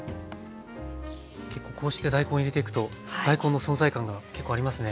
こうして大根を入れていくと大根の存在感が結構ありますね。